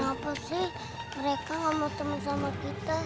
kenapa sih mereka gak mau temen sama kita